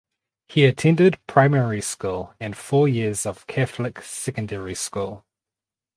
He attended primary school and four years of Catholic secondary school.